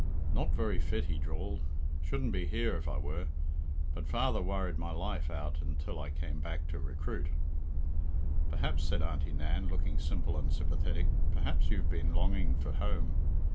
"Not very fit," he drawled; "shouldn't be here if I were. But father worried my life out until I came back to recruit." "Perhaps," said Auntie Nan, looking simple and sympathetic, "perhaps you've been longing for home.